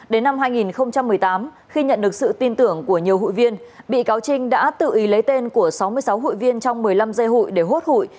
đến năm hai nghìn một mươi tám khi nhận được sự tin tưởng của nhiều hụi viên bị cáo trinh đã tự ý lấy tên của sáu mươi sáu hụi viên trong một mươi năm dây hụi để hốt hụi